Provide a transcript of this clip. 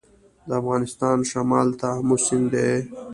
د افغانستان شمال ته امو سیند دی